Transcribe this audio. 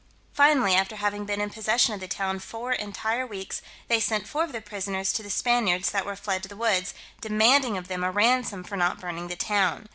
Finally, after having been in possession of the town four entire weeks, they sent four of the prisoners to the Spaniards that were fled to the woods, demanding of them a ransom for not burning the town.